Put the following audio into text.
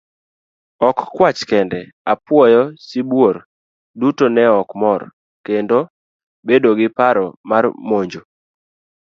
Ok kwach kende, apuoyo, sibuor, duto neok mor, kendo bedo gi paro mar monjo.